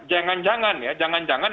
jangan jangan ya jangan jangan